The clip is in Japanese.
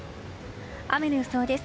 雨の予想です。